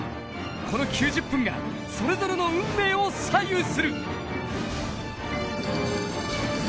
この９０分がそれぞれの運命を左右する。